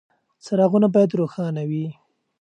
څراغونه باید روښانه وي.